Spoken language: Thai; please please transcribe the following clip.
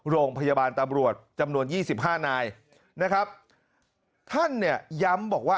โรงพยาบาลตำรวจจำนวนยี่สิบห้านายนะครับท่านเนี่ยย้ำบอกว่า